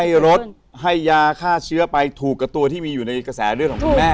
ให้รถให้ยาฆ่าเชื้อไปถูกกับตัวที่มีอยู่ในกระแสเรื่องของคุณแม่